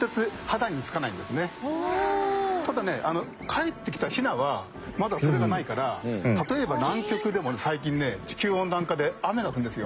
ただねかえってきたヒナはまだそれがないから例えば南極でも最近ね地球温暖化で雨が降るんですよ。